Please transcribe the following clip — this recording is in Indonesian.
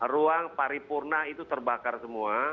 ruang paripurna itu terbakar semua